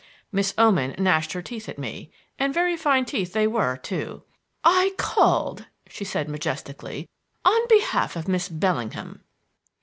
Miss Oman gnashed her teeth at me (and very fine teeth they were too). "I called," she said majestically, "on behalf of Miss Bellingham."